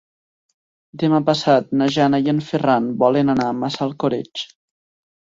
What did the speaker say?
Demà passat na Jana i en Ferran volen anar a Massalcoreig.